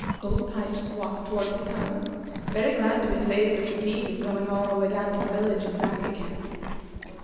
Old Pipes walked toward his home, very glad to be saved the fatigue of going all the way down to the village and back again.